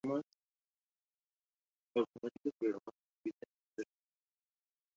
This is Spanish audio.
Ella es enfermera y pinta ventanas que embellecen las vistas desde su habitación.